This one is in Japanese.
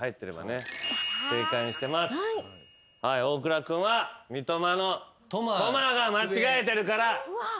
大倉君は「みとま」の「とま」が間違えてるから。